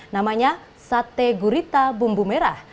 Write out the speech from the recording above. namanya sate gurita bumbu merah